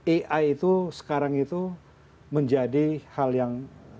ai itu sekarang itu menjadi hal yang